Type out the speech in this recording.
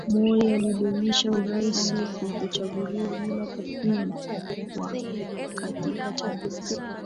Moi alidumisha urais kwa kuchaguliwa bila kupingwa katika chaguzi